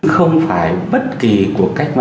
không phải bất kỳ cuộc cách mạng nào